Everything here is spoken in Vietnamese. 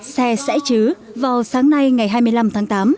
xe sẽ chứ vào sáng nay ngày hai mươi năm tháng tám